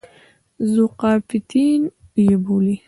ذوقافیتین یې بولي.